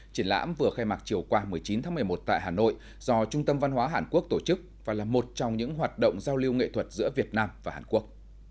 triển lãm vừa khai mạc chiều qua một mươi chín tháng một mươi một tại hà nội do trung tâm văn hóa hàn quốc tổ chức và là một trong những hoạt động giao lưu nghệ thuật giữa việt nam và hàn quốc